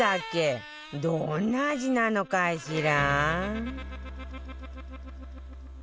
どんな味なのかしら？